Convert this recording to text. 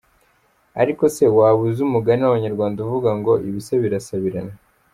Ariko se waba uzi umugani w’abanyarwanda uvuga ngo ibisa birasabirana ?